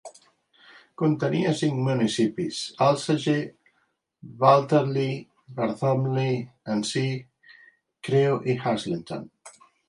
Contenia cinc municipis: Alsager, Balterley, Barthomley en si, Crewe i Haslington.